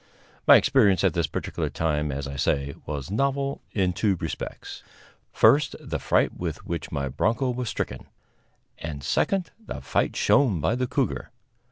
My experience at this particular time, as I say, was novel in two respects first, the fright with which my bronco was stricken; and second, the fight shown by the cougar.